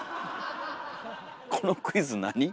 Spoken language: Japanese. このクイズ何？